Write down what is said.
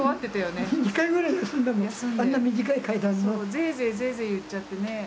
ぜいぜいぜいぜい言っちゃってね。